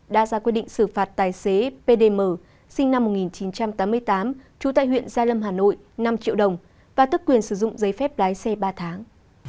đã ra quyết định xử phạt tài xế pdm sinh năm một nghìn chín trăm tám mươi tám trú tại huyện gia lâm hà nội năm triệu đồng và tức quyền sử dụng giấy phép lái xe ba tháng